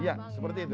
iya seperti itu